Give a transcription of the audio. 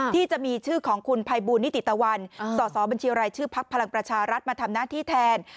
ที่จะมีชื่อของคุณภัยบูรณ์นิติตะวันสบรชพลักษณ์พลังประชารัฐมาทำหน้าที่แทน